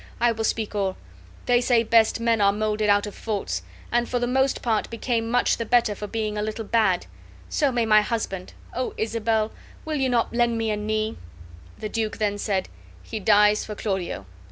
I will speak all. They say best men are molded out of faults, and for the most part become much the better for being a little bad. So may my husband. O Isabel! will you not lend a knee?" The duke then said, "He dies for Claudio."